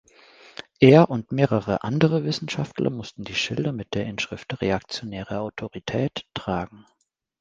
Er und mehrere andere Wissenschaftler mussten Schilder mit der Inschrift "Reaktionäre Autorität" tragen.